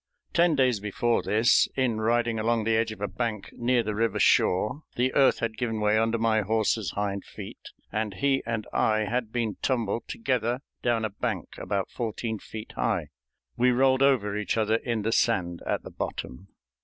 Ten days before this, in riding along the edge of a bank near the river shore, the earth had given way under my horse's hind feet, and he and I had been tumbled together down a bank, about fourteen feet high; we rolled over each other in the sand at the bottom.